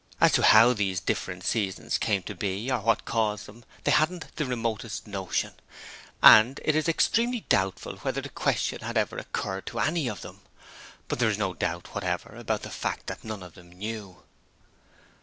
As to how these different seasons came to be, or what caused them, they hadn't the remotest notion, and it is extremely doubtful whether the question had ever occurred to any of them: but there is no doubt whatever about the fact that none of them knew.